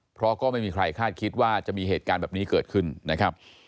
เพราะก็ไม่มีใครคาดคิดว่าจะมีเหตุการณ์แบบนี้เกิดขึ้นนะครับ